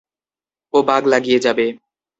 ও বাগ লাগিয়ে যাবে।